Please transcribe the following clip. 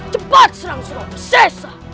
cepat serang surabaya sesa